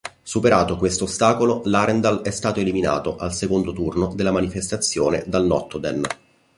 Superato questo ostacolo, l'Arendal è stato eliminato al secondo turno della manifestazione dal Notodden.